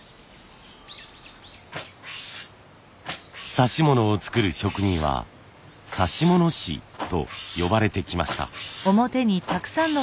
指物を作る職人は指物師と呼ばれてきました。